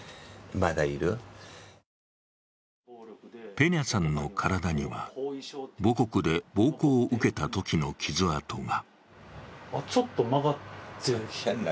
ペニャさんの体には、母国で暴行を受けたときの傷痕が。